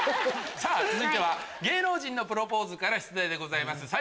さぁ続いては芸能人のプロポーズから出題です。